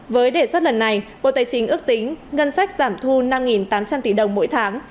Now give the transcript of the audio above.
với đề xuất lần này bộ tài chính ước tính ngân sách giảm thu năm tám trăm linh tỷ đồng mỗi tháng